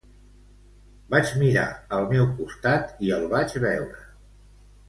Vaig mirar al meu costat i el vaig veure.